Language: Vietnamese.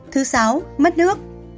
thứ sáu mất nước